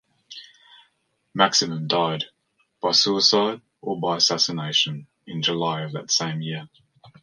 Maximian died, by suicide or by assassination, in July of that same year.